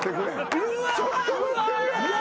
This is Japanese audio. うわ！